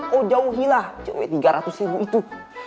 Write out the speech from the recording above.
oh jauhilah cewek tiga ratus ribu itu